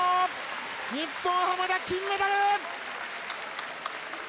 日本・浜田、金メダル！